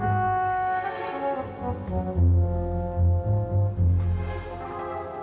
nggak udah nggak apa apa